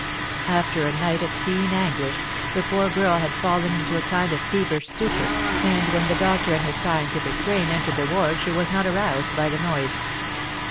After a night of keen anguish, the poor girl had fallen into a kind of feverish stupor, and when the doctor and his scientific train entered the ward she was not aroused by the noise.